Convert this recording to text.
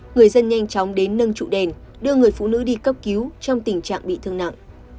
người dân nhanh chóng đến nâng trụ đèn đưa người phụ nữ đi cấp cứu trong tình trạng bị thương nặng